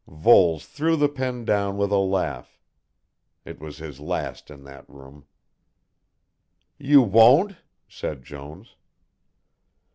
Voles threw the pen down with a laugh it was his last in that room. "You won't?" said Jones.